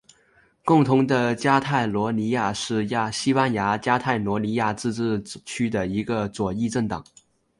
共同的加泰罗尼亚是西班牙加泰罗尼亚自治区的一个左翼政党。